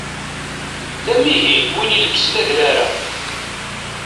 D amihi wi ilebsen adrar-a.